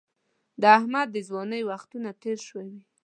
د احمد د ځوانۍ وختونه تېر شوي.